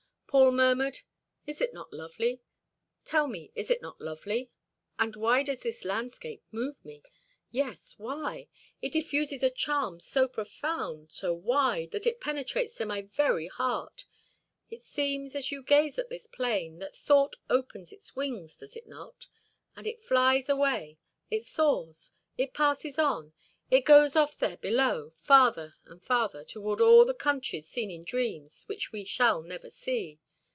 Paul murmured: "Is it not lovely? Tell me, is it not lovely? And why does this landscape move me? Yes, why? It diffuses a charm so profound, so wide, that it penetrates to my very heart. It seems, as you gaze at this plain, that thought opens its wings, does it not? And it flies away, it soars, it passes on, it goes off there below, farther and farther, toward all the countries seen in dreams which we shall never see.